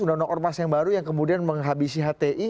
undang undang ormas yang baru yang kemudian menghabisi hti